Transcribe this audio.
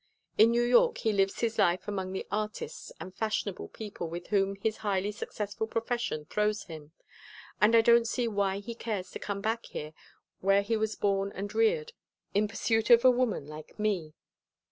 In New York he lives his life among the artists and fashionable people with whom his highly successful profession throws him, and I don't see why he cares to come back here where he was born and reared, in pursuit of a woman like me.